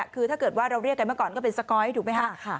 คือถ้าเกิดว่าเราเรียกกันเมื่อก่อนก็เป็นสก๊อยถูกไหมฮะ